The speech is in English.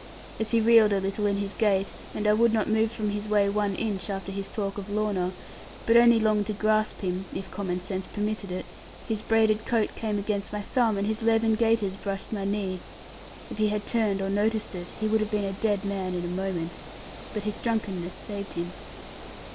As he reeled a little in his gait, and I would not move from his way one inch, after his talk of Lorna, but only longed to grasp him (if common sense permitted it), his braided coat came against my thumb, and his leathern gaiters brushed my knee. If he had turned or noticed it, he would have been a dead man in a moment; but his drunkenness saved him.